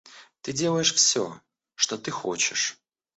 Ты делаешь все, что ты хочешь.